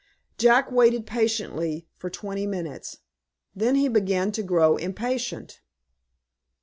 Jack waited patiently for twenty minutes. Then he began to grow impatient.